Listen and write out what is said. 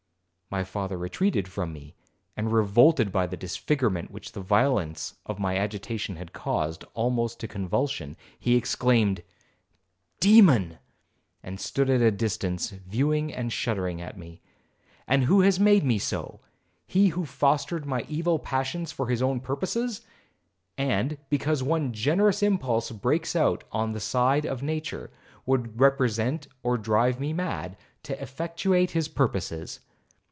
My father retreated from me, and, revolted by the disfigurement which the violence of my agitation had caused, almost to convulsion, he exclaimed, 'Demon!' and stood at a distance viewing, and shuddering at me. 'And who has made me so? He who fostered my evil passions for his own purposes; and, because one generous impulse breaks out on the side of nature, would represent or drive me mad, to effectuate his purposes.